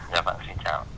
dạ vâng xin chào